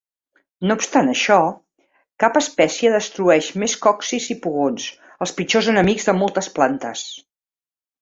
No obstant això, cap espècie destrueix més còccids i pugons, els pitjors enemics de moltes plantes.